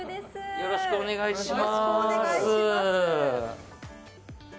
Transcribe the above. よろしくお願いします。